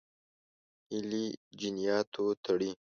هیلې جنیاتو تړي.